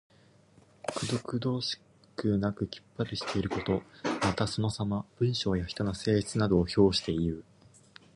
くどくどしくなくきっぱりしていること。また、そのさま。文章や人の性質などを評していう。